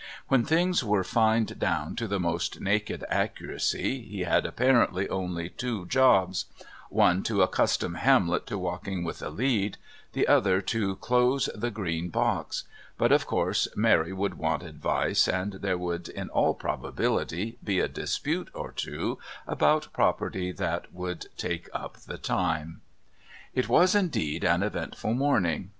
When things were fined down to the most naked accuracy he had apparently only two "jobs": one to accustom Hamlet to walking with a "lead," the other to close the green box; but of course Mary would want advice, and there would, in all probability, be a dispute or two about property that would take up the time. It was indeed an eventful morning.